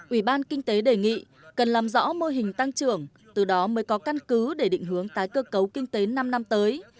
ủy ban kinh tế đề nghị cần làm rõ mô hình tăng trưởng từ đó mới có căn cứ để định hướng tái cơ cấu kinh tế năm năm tới